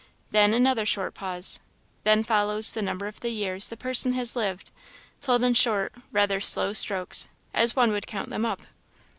Then another short pause. Then follows the number of the years the person has lived, told in short, rather slow strokes, as one would count them up.